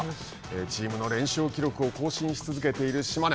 チームの連勝記録を更新し続けている島根。